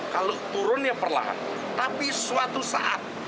kalau turunnya perlahan tapi suatu saat